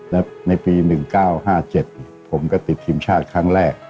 และในปี๑๙๕๗ผมก็ติดทีมชาติครั้งแรก